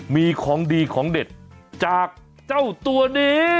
มีของดีของเด็ดจากเจ้าตัวนี้